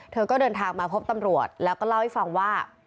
เธอก็เดินทางมาพบตำรวจแล้วก็เล่าให้ฟังว่า